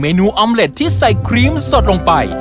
นูอำเล็ดที่ใส่ครีมสดลงไป